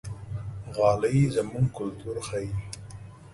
غالۍ زموږ کلتور ښيي.